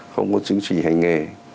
không có chứng chỉ hành nghề